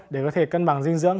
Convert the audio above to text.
để có thể cân bằng dinh dưỡng